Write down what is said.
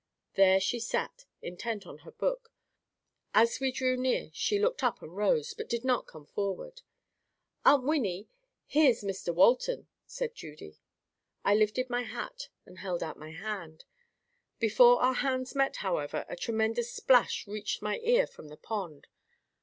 There she sat, intent on her book. As we drew near she looked up and rose, but did not come forward. "Aunt Winnie, here's Mr. Walton," said Judy. I lifted my hat and held out my hand. Before our hands met, however, a tremendous splash reached my ears from the pond.